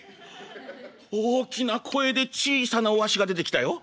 「大きな声で小さなおアシが出てきたよ。